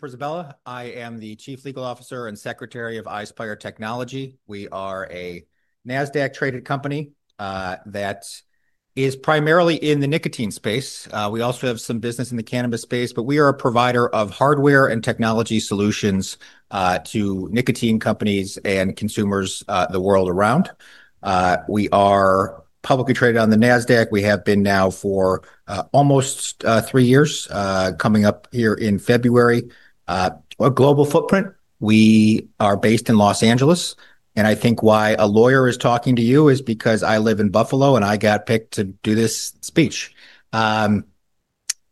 For Isabella, I am the Chief Legal Officer and Secretary of Ispire Technology Inc. We are a Nasdaq-traded company that is primarily in the nicotine space. We also have some business in the cannabis space, but we are a provider of hardware and technology solutions to nicotine companies and consumers the world around. We are publicly traded on the Nasdaq. We have been now for almost three years, coming up here in February. A global footprint. We are based in Los Angeles. I think why a lawyer is talking to you is because I live in Buffalo and I got picked to do this speech. They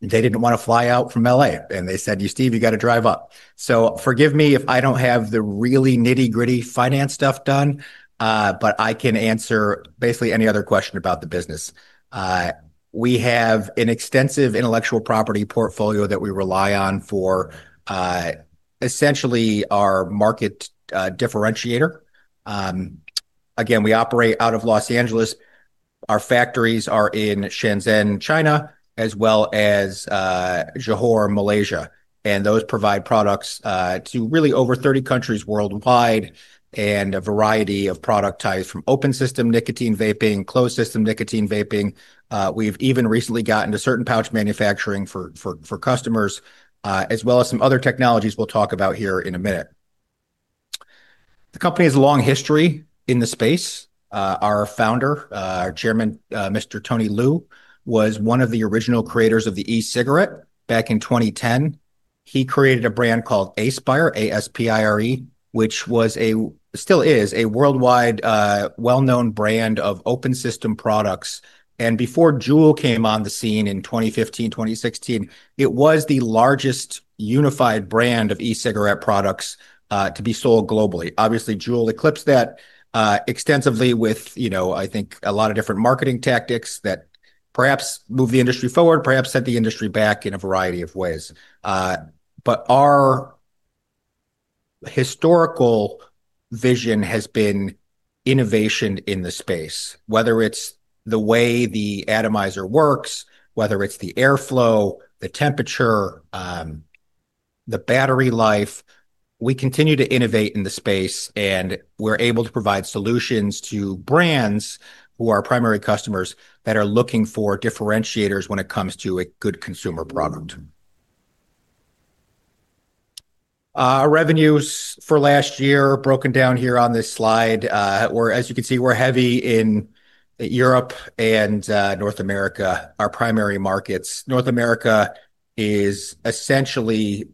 didn't want to fly out from LA and they said, "You Steve, you got to drive up." Forgive me if I don't have the really nitty-gritty finance stuff done, but I can answer basically any other question about the business. We have an extensive intellectual property portfolio that we rely on for essentially our market differentiator. Again, we operate out of Los Angeles. Our factories are in Shenzhen, China, as well as Johor, Malaysia. Those provide products to really over 30 countries worldwide and a variety of product types from open system nicotine vaping, closed system nicotine vaping. We've even recently gotten to certain pouch manufacturing for customers, as well as some other technologies we'll talk about here in a minute. The company has a long history in the space. Our Founder, Chairman, Mr. Tony Liu, was one of the original creators of the e-cigarette back in 2010. He created a brand called Aspire, A-S-P-I-R-E, which was a, still is a worldwide, well-known brand of open system products. Before JUUL came on the scene in 2015-2016, it was the largest unified brand of e-cigarette products to be sold globally. Obviously, JUUL eclipsed that extensively with, you know, I think a lot of different marketing tactics that perhaps move the industry forward, perhaps set the industry back in a variety of ways. Our historical vision has been innovation in the space, whether it's the way the atomizer works, whether it's the airflow, the temperature, the battery life. We continue to innovate in the space and we're able to provide solutions to brands who are our primary customers that are looking for differentiators when it comes to a good consumer product. Our revenues for last year are broken down here on this slide, where as you can see, we're heavy in Europe and North America, our primary markets. North America is essentially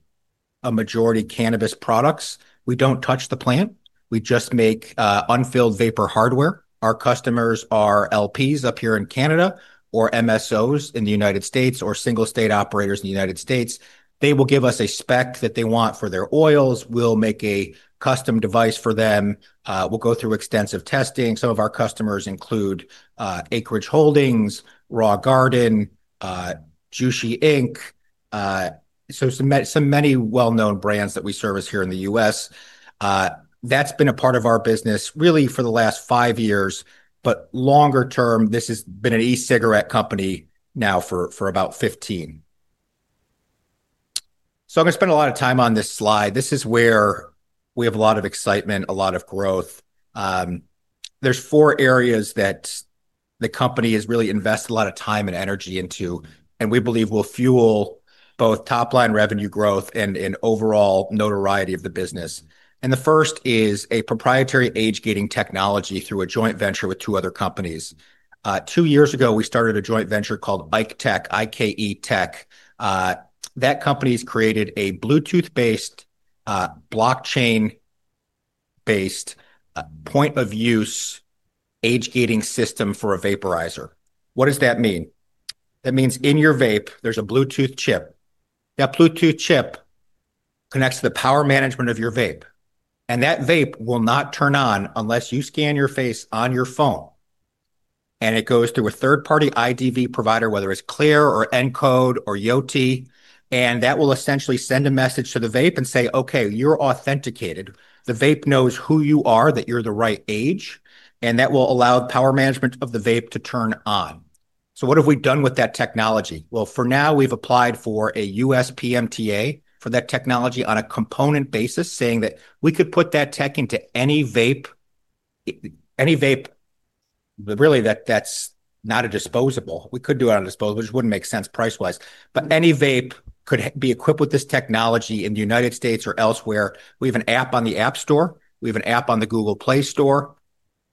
a majority cannabis products. We don't touch the plant. We just make unfilled vapor hardware. Our customers are LPs up here in Canada or MSOs in the United States or single-state operators in the United States. They will give us a spec that they want for their oils. We'll make a custom device for them. We'll go through extensive testing. Some of our customers include Acreage Holdings, Raw Garden, Juicy Inc., so many well-known brands that we service here in the U.S. That's been a part of our business really for the last five years, but longer term, this has been an e-cigarette company now for about 15. I'm going to spend a lot of time on this slide. This is where we have a lot of excitement, a lot of growth. There are four areas that the company has really invested a lot of time and energy into, and we believe will fuel both top-line revenue growth and overall notoriety of the business. The first is a proprietary age-gating technology through a joint venture with two other companies. Two years ago, we started a joint venture called IKE Tech. That company has created a Bluetooth-based, blockchain-based, point-of-use age-gating system for a vaporizer. What does that mean? That means in your vape, there's a Bluetooth chip. That Bluetooth chip connects to the power management of your vape, and that vape will not turn on unless you scan your face on your phone. It goes through a third-party IDV provider, whether it's Clear or Encode or Yoti, and that will essentially send a message to the vape and say, "Okay, you're authenticated." The vape knows who you are, that you're the right age, and that will allow the power management of the vape to turn on. What have we done with that technology? For now, we've applied for a U.S. PMTA for that technology on a component basis, saying that we could put that tech into any vape, any vape really that's not a disposable. We could do it on a disposable, which wouldn't make sense price-wise, but any vape could be equipped with this technology in the United States or elsewhere. We have an app on the App Store. We have an app on the Google Play Store.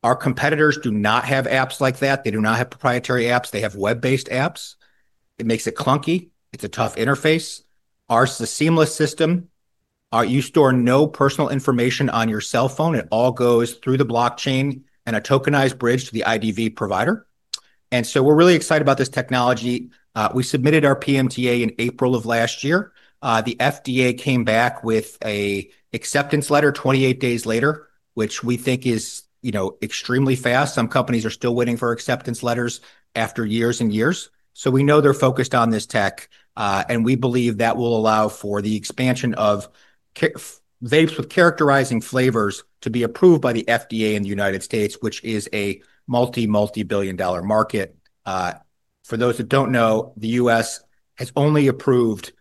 Our competitors do not have apps like that. They do not have proprietary apps. They have web-based apps. It makes it clunky. It's a tough interface. Ours is a seamless system. You store no personal information on your cell phone. It all goes through the blockchain and a tokenized bridge to the IDV provider. We're really excited about this technology. We submitted our PMTA in April of last year. The FDA came back with an acceptance letter 28 days later, which we think is, you know, extremely fast. Some companies are still waiting for acceptance letters after years and years. We know they're focused on this tech. We believe that will allow for the expansion of vapes with characterizing flavors to be approved by the FDA in the United States, which is a multi, multi-billion dollar market. For those that don't know, the U.S. has only approved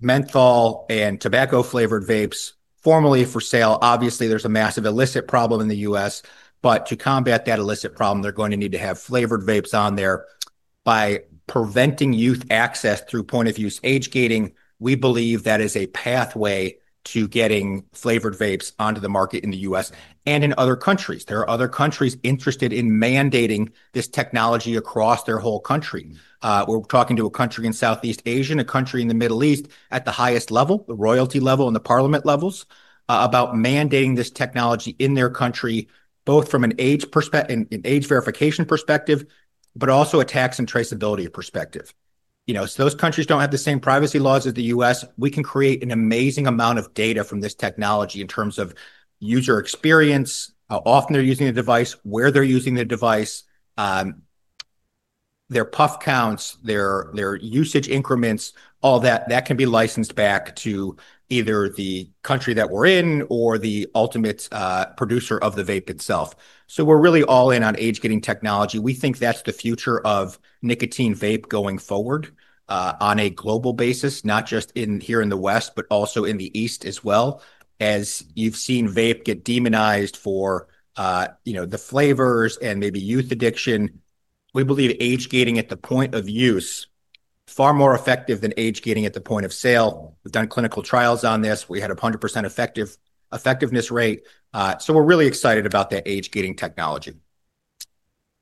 menthol and tobacco-flavored vapes formally for sale. Obviously, there's a massive illicit problem in the U.S. To combat that illicit problem, they're going to need to have flavored vapes on there. By preventing youth access through point-of-use age gating, we believe that is a pathway to getting flavored vapes onto the market in the U.S. and in other countries. There are other countries interested in mandating this technology across their whole country. We're talking to a country in Southeast Asia and a country in the Middle East at the highest level, the royalty level and the parliament levels, about mandating this technology in their country, both from an age verification perspective, but also a tax and traceability perspective. Those countries don't have the same privacy laws as the U.S. We can create an amazing amount of data from this technology in terms of user experience, how often they're using the device, where they're using the device, their puff counts, their usage increments, all that. That can be licensed back to either the country that we're in or the ultimate producer of the vape itself. We're really all in on age-gating technology. We think that's the future of nicotine vape going forward, on a global basis, not just here in the West, but also in the East as well. As you've seen vape get demonized for, you know, the flavors and maybe youth addiction, we believe age-gating at the point of use is far more effective than age-gating at the point of sale. We've done clinical trials on this. We had a 100% effectiveness rate. We're really excited about that age-gating technology.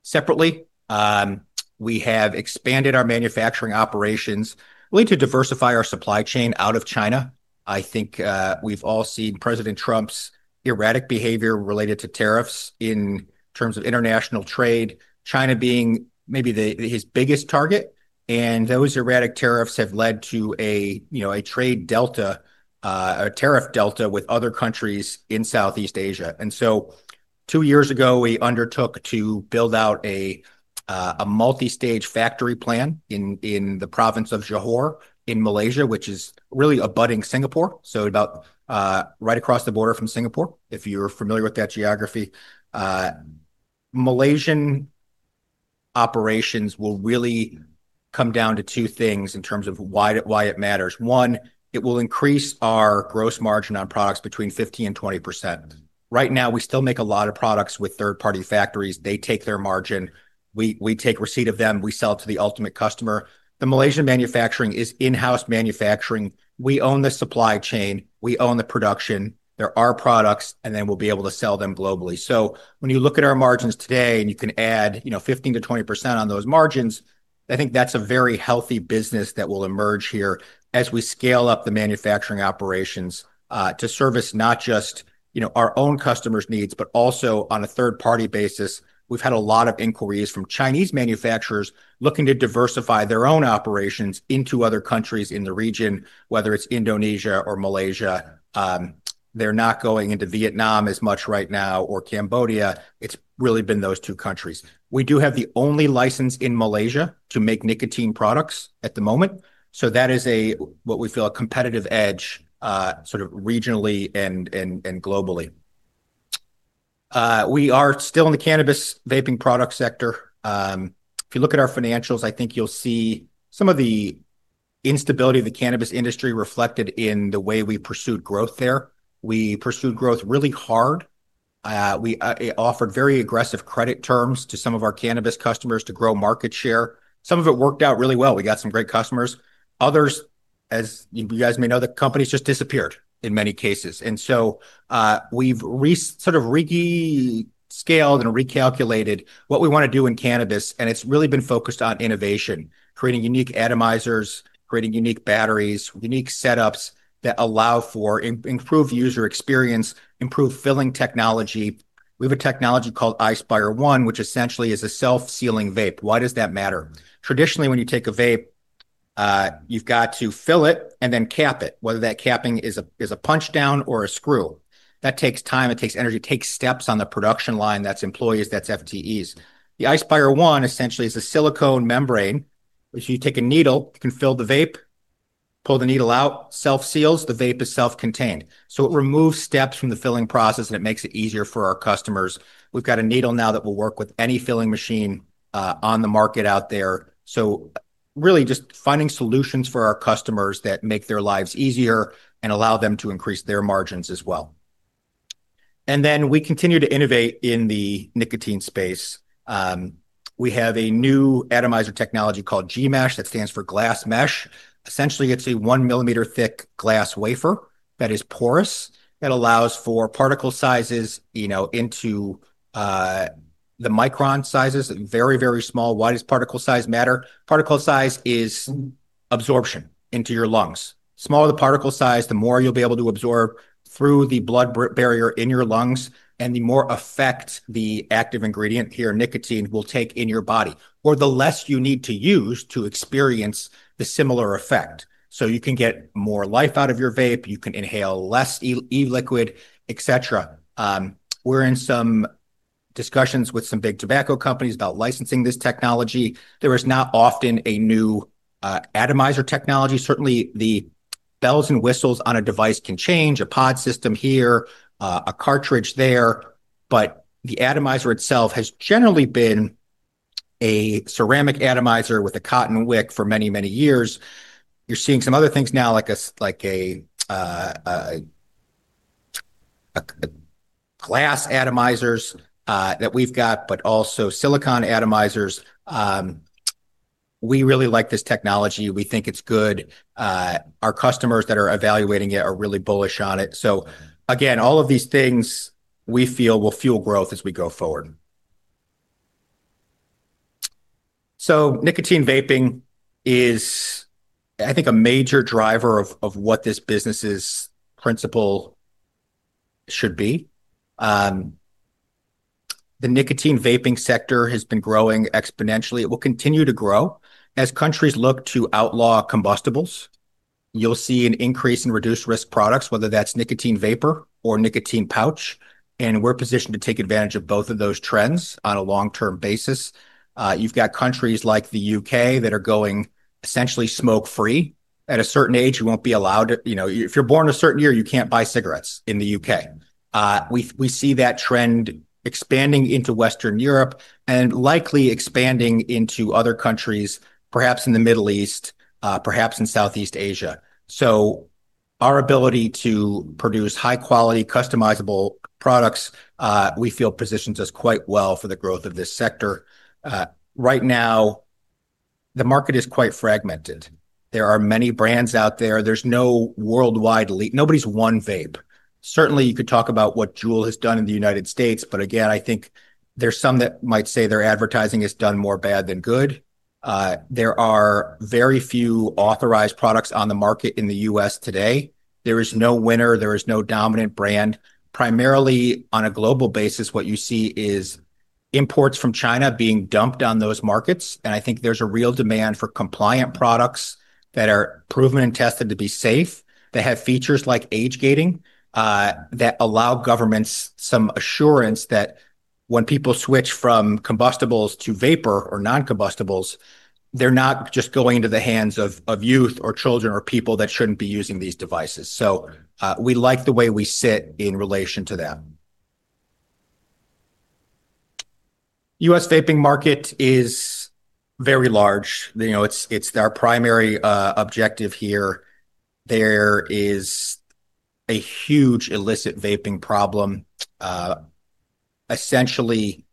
Separately, we have expanded our manufacturing operations really to diversify our supply chain out of China. I think we've all seen President Trump's erratic behavior related to tariffs in terms of international trade, China being maybe his biggest target. Those erratic tariffs have led to a trade delta, a tariff delta with other countries in Southeast Asia. Two years ago, we undertook to build out a multi-stage factory plan in the province of Johor in Malaysia, which is really abutting Singapore, right across the border from Singapore if you're familiar with that geography. Malaysian operations will really come down to two things in terms of why it matters. One, it will increase our gross margin on products between 15% and 20%. Right now, we still make a lot of products with third-party factories. They take their margin. We take receipt of them. We sell it to the ultimate customer. The Malaysian manufacturing is in-house manufacturing. We own the supply chain. We own the production. They're our products, and then we'll be able to sell them globally. When you look at our margins today, and you can add 15% to 20% on those margins, I think that's a very healthy business that will emerge here as we scale up the manufacturing operations to service not just our own customers' needs, but also on a third-party basis. We've had a lot of inquiries from Chinese manufacturers looking to diversify their own operations into other countries in the region, whether it's Indonesia or Malaysia. They're not going into Vietnam as much right now or Cambodia. It's really been those two countries. We do have the only license in Malaysia to make nicotine products at the moment. That is what we feel is a competitive edge, sort of regionally and globally. We are still in the cannabis vaping product sector. If you look at our financials, I think you'll see some of the instability of the cannabis industry reflected in the way we pursued growth there. We pursued growth really hard. We offered very aggressive credit terms to some of our cannabis customers to grow market share. Some of it worked out really well. We got some great customers. Others, as you guys may know, the companies just disappeared in many cases. We've sort of rescaled and recalculated what we want to do in cannabis, and it's really been focused on innovation, creating unique atomizers, creating unique batteries, unique setups that allow for improved user experience, improved filling technology. We have a technology called Ispire One, which essentially is a self-sealing vape. Why does that matter? Traditionally, when you take a vape, you've got to fill it and then cap it, whether that capping is a punchdown or a screw. That takes time. It takes energy. It takes steps on the production line. That's employees. That's FTEs. The Ispire One essentially is a silicone membrane. If you take a needle, you can fill the vape, pull the needle out, self-seals. The vape is self-contained. It removes steps from the filling process, and it makes it easier for our customers. We've got a needle now that will work with any filling machine on the market out there. Really just finding solutions for our customers that make their lives easier and allow them to increase their margins as well. We continue to innovate in the nicotine space. We have a new atomizer technology called GMASH that stands for glass mesh. Essentially, it's a one millimeter thick glass wafer that is porous that allows for particle sizes into the micron sizes, very, very small. Why does particle size matter? Particle size is absorption into your lungs. Smaller the particle size, the more you'll be able to absorb through the blood barrier in your lungs, and the more effect the active ingredient here, nicotine, will take in your body, or the less you need to use to experience the similar effect. You can get more life out of your vape. You can inhale less e-liquid, et cetera. We're in some discussions with some big tobacco companies about licensing this technology. There is not often a new atomizer technology. Certainly, the bells and whistles on a device can change. A pod system here, a cartridge there, but the atomizer itself has generally been a ceramic atomizer with a cotton wick for many, many years. You're seeing some other things now, like glass atomizers that we've got, but also silicon atomizers. We really like this technology. We think it's good. Our customers that are evaluating it are really bullish on it. All of these things we feel will fuel growth as we go forward. Nicotine vaping is, I think, a major driver of what this business's principle should be. The nicotine vaping sector has been growing exponentially. It will continue to grow. As countries look to outlaw combustibles, you'll see an increase in reduced-risk products, whether that's nicotine vapor or nicotine pouch. We're positioned to take advantage of both of those trends on a long-term basis. You've got countries like the UK that are going essentially smoke-free. At a certain age, you won't be allowed to, you know, if you're born a certain year, you can't buy cigarettes in the UK. We see that trend expanding into Western Europe and likely expanding into other countries, perhaps in the Middle East, perhaps in Southeast Asia. Our ability to produce high-quality, customizable products, we feel, positions us quite well for the growth of this sector. Right now, the market is quite fragmented. There are many brands out there. There's no worldwide lead. Nobody's one vape. Certainly, you could talk about what JUUL has done in the United States, but again, I think there's some that might say their advertising has done more bad than good. There are very few authorized products on the market in the U.S. today. There is no winner. There is no dominant brand. Primarily, on a global basis, what you see is imports from China being dumped on those markets. I think there's a real demand for compliant products that are proven and tested to be safe, that have features like age-gating, that allow governments some assurance that when people switch from combustibles to vapor or non-combustibles, they're not just going into the hands of youth or children or people that shouldn't be using these devices. We like the way we sit in relation to that. The U.S. vaping market is very large. It's our primary objective here. There is a huge illicit vaping problem. Essentially,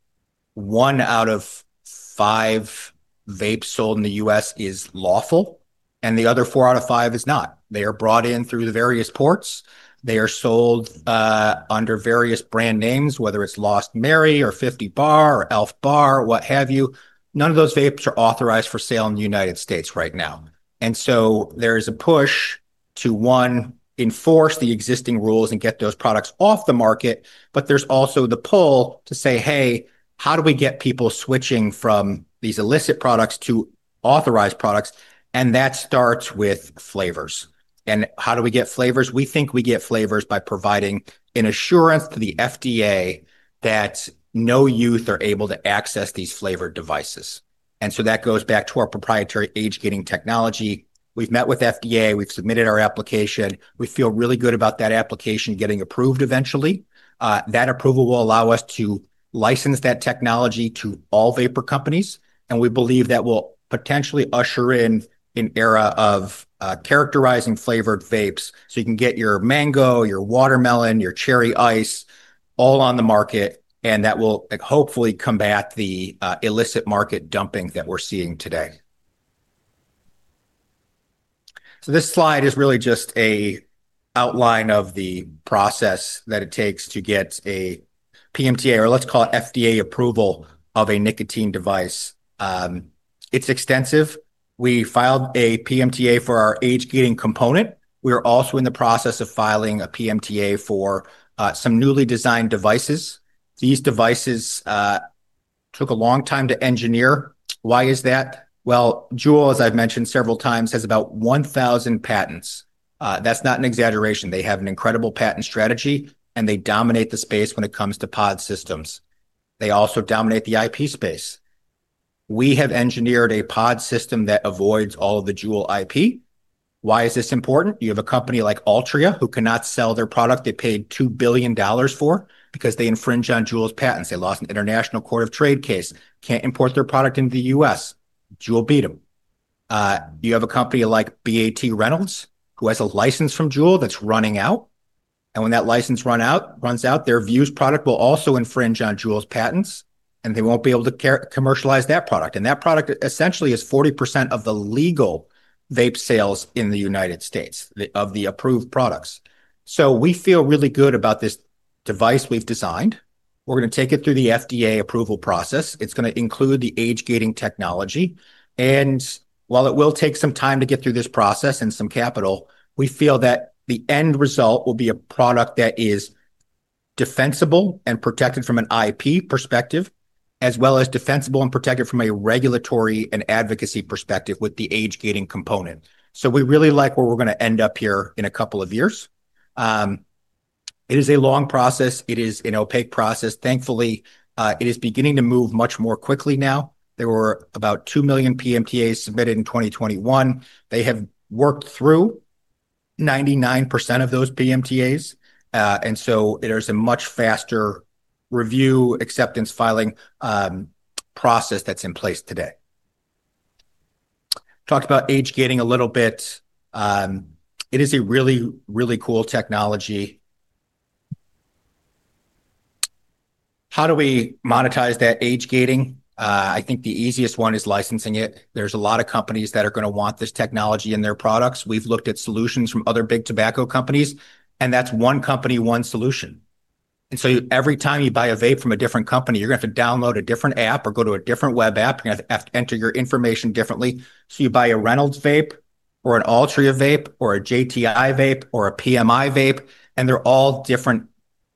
one out of five vapes sold in the U.S. is lawful, and the other four out of five is not. They are brought in through the various ports. They are sold under various brand names, whether it's Lost Mary or 50 Bar or Elf Bar, what have you. None of those vapes are authorized for sale in the United States right now. There is a push to, one, enforce the existing rules and get those products off the market, but there's also the pull to say, "Hey, how do we get people switching from these illicit products to authorized products?" That starts with flavors. How do we get flavors? We think we get flavors by providing an assurance to the FDA that no youth are able to access these flavored devices. That goes back to our proprietary age-gating technology. We've met with FDA. We've submitted our application. We feel really good about that application getting approved eventually. That approval will allow us to license that technology to all vapor companies, and we believe that will potentially usher in an era of characterizing flavored vapes. You can get your mango, your watermelon, your cherry ice all on the market, and that will hopefully combat the illicit market dumping that we're seeing today. This slide is really just an outline of the process that it takes to get a PMTA, or let's call it FDA approval of a nicotine device. It's extensive. We filed a PMTA for our age-gating component. We are also in the process of filing a PMTA for some newly designed devices. These devices took a long time to engineer. Why is that? JUUL, as I've mentioned several times, has about 1,000 patents. That's not an exaggeration. They have an incredible patent strategy, and they dominate the space when it comes to pod systems. They also dominate the IP space. We have engineered a pod system that avoids all of the JUUL IP. Why is this important? You have a company like Altria who cannot sell their product they paid $2 billion for because they infringe on JUUL's patents. They lost an International Court of Trade case. Can't import their product into the U.S. JUUL beat them. You have a company like BAT Reynolds who has a license from JUUL that's running out. When that license runs out, their VUES product will also infringe on JUUL's patents, and they won't be able to commercialize that product. That product essentially is 40% of the legal vape sales in the United States of the approved products. We feel really good about this device we've designed. We're going to take it through the FDA approval process. It's going to include the age-gating technology. While it will take some time to get through this process and some capital, we feel that the end result will be a product that is defensible and protected from an IP perspective, as well as defensible and protected from a regulatory and advocacy perspective with the age-gating component. We really like where we're going to end up here in a couple of years. It is a long process. It is an opaque process. Thankfully, it is beginning to move much more quickly now. There were about 2 million PMTAs submitted in 2021. They have worked through 99% of those PMTAs, and so there's a much faster review, acceptance, filing process that's in place today. Talked about age-gating a little bit. It is a really, really cool technology. How do we monetize that age-gating? I think the easiest one is licensing it. There's a lot of companies that are going to want this technology in their products. We've looked at solutions from other big tobacco companies, and that's one company, one solution. Every time you buy a vape from a different company, you're going to have to download a different app or go to a different web app. You're going to have to enter your information differently. You buy a Reynolds vape or an Altria vape or a JTI vape or a PMI vape, and they're all different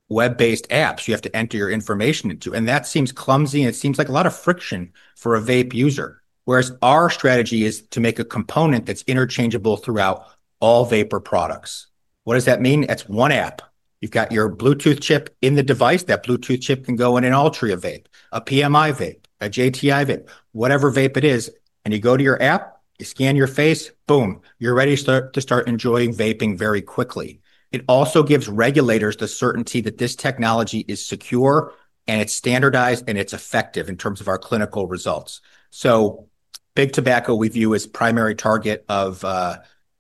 web-based apps you have to enter your information into. That seems clumsy, and it seems like a lot of friction for a vape user, whereas our strategy is to make a component that's interchangeable throughout all vapor products. What does that mean? That's one app. You've got your Bluetooth chip in the device. That Bluetooth chip can go in an Altria vape, a PMI vape, a JTI vape, whatever vape it is, and you go to your app, you scan your face, boom, you're ready to start enjoying vaping very quickly. It also gives regulators the certainty that this technology is secure, and it's standardized, and it's effective in terms of our clinical results. Big tobacco we view as a primary target of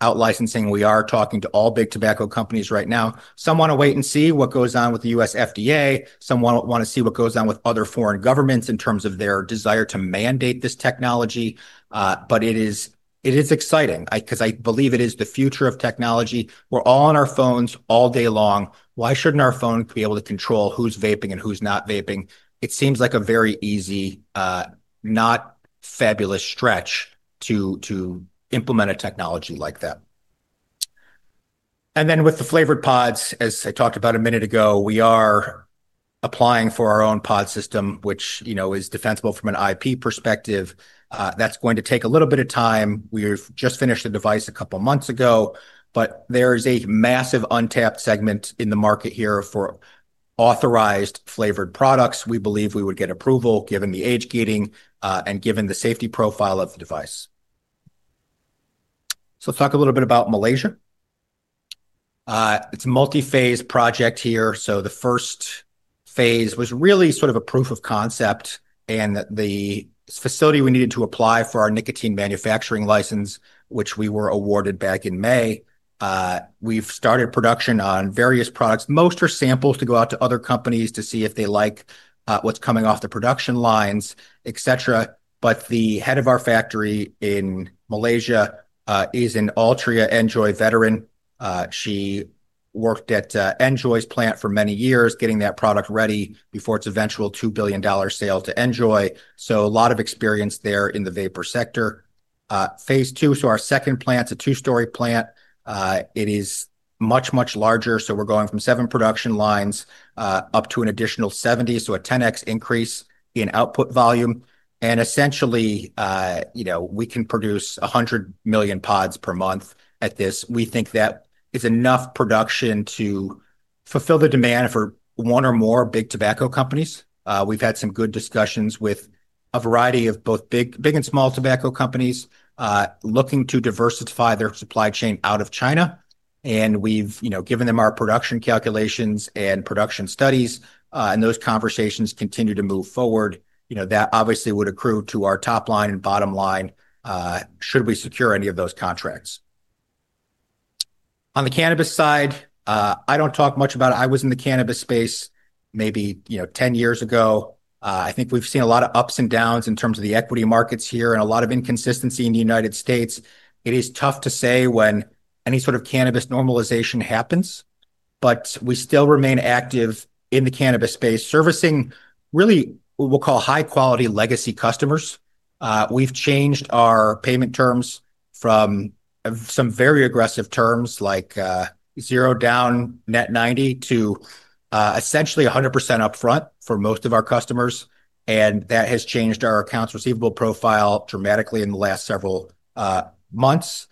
out-licensing. We are talking to all big tobacco companies right now. Some want to wait and see what goes on with the U.S. FDA. Some want to see what goes on with other foreign governments in terms of their desire to mandate this technology. It is exciting because I believe it is the future of technology. We're all on our phones all day long. Why shouldn't our phone be able to control who's vaping and who's not vaping? It seems like a very easy, not fabulous stretch to implement a technology like that. With the flavored pods, as I talked about a minute ago, we are applying for our own pod system, which, you know, is defensible from an IP perspective. That's going to take a little bit of time. We've just finished the device a couple of months ago, but there is a massive untapped segment in the market here for authorized flavored products. We believe we would get approval given the age-gating and given the safety profile of the device. Talk a little bit about Malaysia. It's a multi-phase project here. The first phase was really sort of a proof of concept and the facility we needed to apply for our nicotine manufacturing license, which we were awarded back in May. We've started production on various products. Most are samples to go out to other companies to see if they like what's coming off the production lines, et cetera. The head of our factory in Malaysia is an Altria Enjoy veteran. She worked at Enjoy's plant for many years, getting that product ready before its eventual $2 billion sale to Altria. A lot of experience there in the vapor sector. Phase two, our second plant is a two-story plant. It is much, much larger. We're going from seven production lines up to an additional 70, so a 10x increase in output volume. Essentially, we can produce 100 million pods per month at this. We think that is enough production to fulfill the demand for one or more big tobacco companies. We've had some good discussions with a variety of both big and small tobacco companies looking to diversify their supply chain out of China. We've given them our production calculations and production studies, and those conversations continue to move forward. That obviously would accrue to our top line and bottom line, should we secure any of those contracts. On the cannabis side, I don't talk much about it. I was in the cannabis space maybe 10 years ago. I think we've seen a lot of ups and downs in terms of the equity markets here and a lot of inconsistency in the United States. It is tough to say when any sort of cannabis normalization happens, but we still remain active in the cannabis space, servicing really what we'll call high-quality legacy customers. We've changed our payment terms from some very aggressive terms like zero down net 90 to essentially 100% upfront for most of our customers, and that has changed our accounts receivable profile dramatically in the last several months.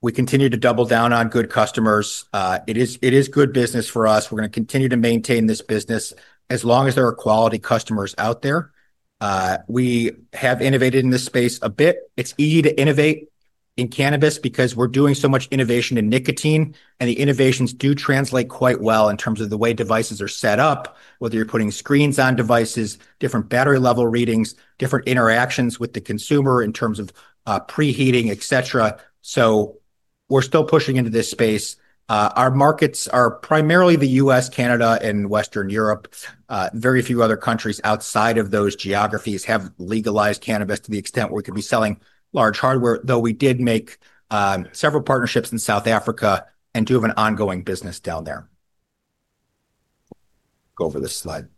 We continue to double down on good customers. It is good business for us. We're going to continue to maintain this business as long as there are quality customers out there. We have innovated in this space a bit. It's easy to innovate in cannabis because we're doing so much innovation in nicotine, and the innovations do translate quite well in terms of the way devices are set up, whether you're putting screens on devices, different battery level readings, different interactions with the consumer in terms of preheating, et cetera. We're still pushing into this space. Our markets are primarily the U.S., Canada, and Western Europe. Very few other countries outside of those geographies have legalized cannabis to the extent where we could be selling large hardware, though we did make several partnerships in South Africa and do have an ongoing business down there. Go over this slide.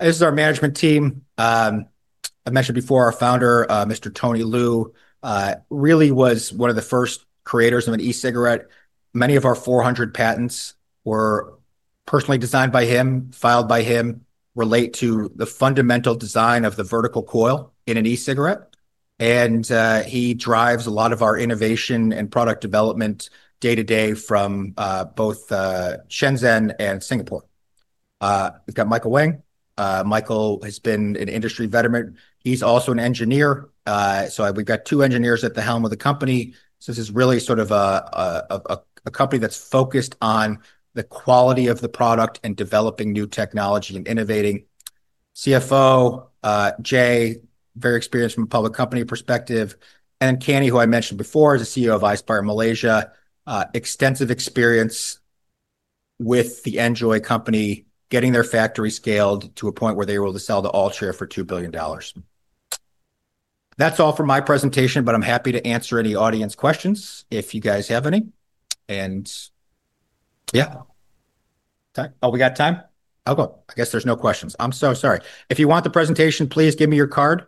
This is our management team. I mentioned before our founder, Mr. Tony Liu, really was one of the first creators of an e-cigarette. Many of our 400 patents were personally designed by him, filed by him, relate to the fundamental design of the vertical coil in an e-cigarette. He drives a lot of our innovation and product development day-to-day from both Shenzhen and Singapore. We've got Michael Wang. Michael has been an industry veteran. He's also an engineer. We've got two engineers at the helm of the company. This is really sort of a company that's focused on the quality of the product and developing new technology and innovating. CFO, Jay, very experienced from a public company perspective. Kenny, who I mentioned before, is the CEO of Ispire Malaysia. Extensive experience with the Enjoy company, getting their factory scaled to a point where they were able to sell to Altria for $2 billion. That's all for my presentation, but I'm happy to answer any audience questions if you guys have any. Yeah. Oh, we got time? Oh, good. I guess there's no questions. I'm so sorry. If you want the presentation, please give me your card.